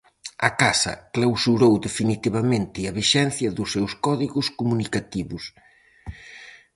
A casa clausurou definitivamente a vixencia dos seus códigos comunicativos.